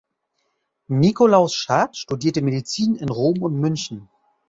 Nikolaus Schad studierte Medizin in Rom und München.